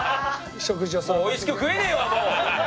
おいしく食えねえわもう！